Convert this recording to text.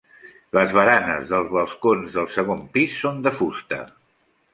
Les baranes dels balcons del segon pis són de fusta.